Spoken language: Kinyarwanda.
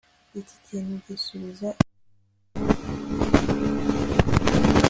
Iki kintu gisubiza iyi humura itanga